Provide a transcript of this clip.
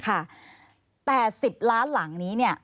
แต่๑๐ล้านหลังนี้เนี่ย